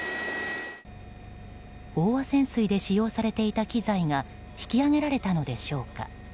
飽和潜水で使用されていた機材が引き揚げられたのでしょうか。